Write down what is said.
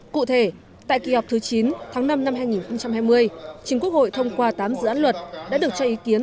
cụ thể tại kỳ họp thứ chín tháng năm năm hai nghìn hai mươi chính quốc hội thông qua tám dự án luật đã được cho ý kiến